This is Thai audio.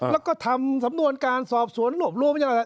แล้วก็ทำสำนวนการสอบสวนรวบรวมอย่างไร